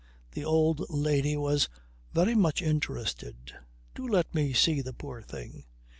The old lady was very much interested: "Do let me see the poor thing!"